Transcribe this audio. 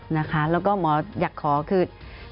แล้วก็หมออยากขอคือ